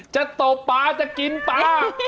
ตบปลาจะกินปลา